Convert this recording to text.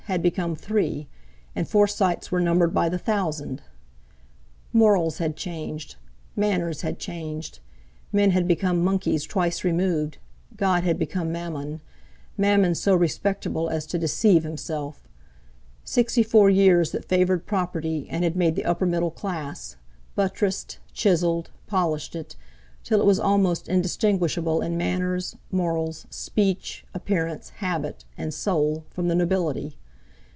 had become three, and Forsytes were numbered by the thousand! Morals had changed, manners had changed, men had become monkeys twice removed, God had become Mammon—Mammon so respectable as to deceive himself: Sixty four years that favoured property, and had made the upper middle class; buttressed, chiselled, polished it, till it was almost indistinguishable in manners, morals, speech, appearance, habit, and soul from the nobility.